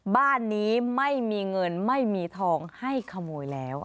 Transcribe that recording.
บ้านนี้ไม่มีเงินไม่มีทองให้ขโมยแล้ว